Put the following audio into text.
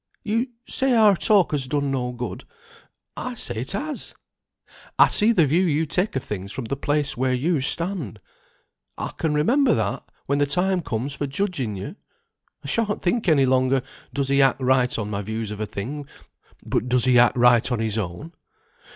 You say our talk has done no good. I say it has. I see the view you take of things from the place where you stand. I can remember that, when the time comes for judging you; I sha'n't think any longer, does he act right on my views of a thing, but does he act right on his own.